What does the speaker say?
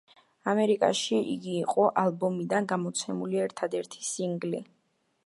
ამერიკაში იგი იყო ალბომიდან გამოცემული ერთადერთი სინგლი.